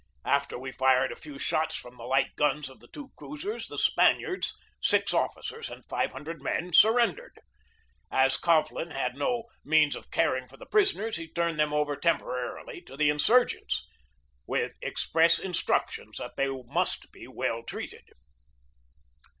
After we fired a few shots from the light guns of the two cruisers the Spaniards, six officers and five hundred men, sur rendered. As Coghlan had no means of caring for the prisoners, he turned them over temporarily to the insurgents, with express instructions that they must be well treated.